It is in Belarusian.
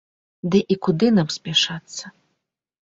Ды і куды нам спяшацца?